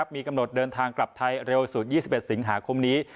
มีกำหนดเดินทางกลับไทยเร็วสุด๒๑สิงหาคมนี้